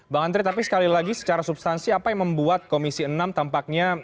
bang andre tapi sekali lagi secara substansi apa yang membuat komisi enam tampaknya